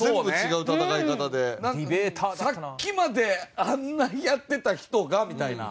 さっきまであんなにやってた人がみたいな。